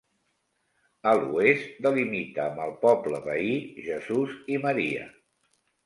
A l'oest delimita amb el poble veí, Jesús i Maria.